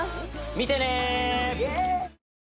見てね！